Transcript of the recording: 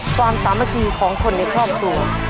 ความตามจีนของคนในครอบตัว